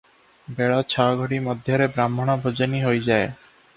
ବେଳ ଛଅଘଡ଼ି ମଧ୍ୟରେ ବାହ୍ମଣ ଭୋଜନି ହୋଇଯାଏ ।